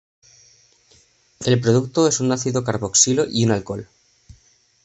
El producto es un ácido carboxilo y un alcohol.